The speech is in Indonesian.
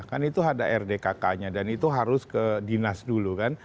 kan itu ada rdkk nya dan itu harus ke dinas dulu kan